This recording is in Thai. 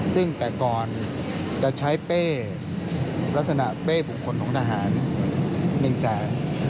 ซึ่งแต่ก่อนจะใช้เป้ลักษณะเป้บุคคลของทหาร๑แสน